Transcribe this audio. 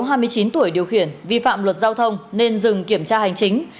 trần trung hiệp hai mươi chín tuổi điều khiển vi phạm luật giao thông nên dừng kiểm tra hành chính